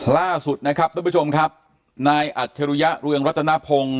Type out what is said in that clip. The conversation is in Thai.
ล่าสุดนะครับทุกผู้ชมครับนายอัจฉริยะเรืองรัตนพงศ์